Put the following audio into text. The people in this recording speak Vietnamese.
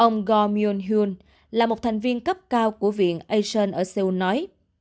ông goh myung hyun là một thành viên cấp cao của viện asian ở seoul nói